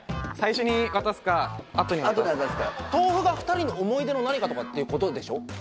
最初に渡すかあとに渡すか豆腐が２人の思い出の何かとかっていうことでしょ？